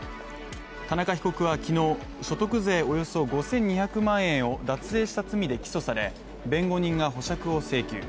田中被告は昨日、所得税およそ５２００万円を脱税した罪で起訴され弁護人が保釈を請求